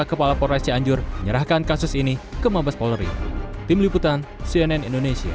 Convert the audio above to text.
minta kepala polres cianjur menyerahkan kasus ini ke mabes polri